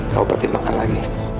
kamu pertimbangkan lagi